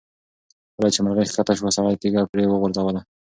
کله چې مرغۍ ښکته شوه، سړي تیږه پرې وغورځوله.